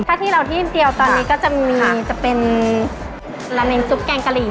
ถ้าที่เราที่เดียวตอนนี้ก็จะมีจะเป็นลาเนงซุปแกงกะหรี่